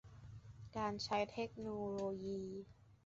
การใช้เทคโนโลยี